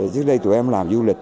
dưới đây tụi em làm du lịch